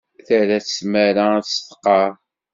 Terra-tt tmara ad testqerr.